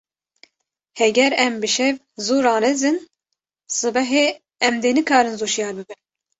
Heger em bi şev zû ranezin, sibehê em dê nikarin zû şiyar bibin.